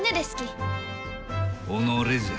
己じゃ。